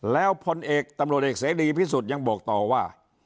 แล้วพลเอกตำรวจเอกเสรีพิสุทธิ์ยังบอกต่อว่า